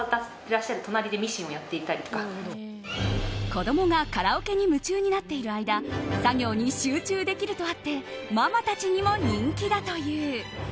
子供がカラオケに夢中になっている間作業に集中できるとあってママたちにも人気だという。